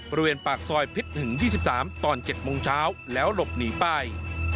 บริเวณปากซอยพิษถึง๒๓ตอน๗โมงเช้าแล้วหลบหนีไป